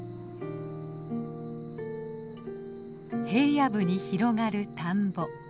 平野部に広がる田んぼ。